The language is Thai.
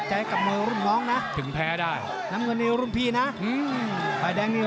ชีวิตแข็งแรงมาแหละพี่ชิดชัย